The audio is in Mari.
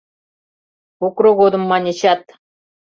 Покро годым маньычат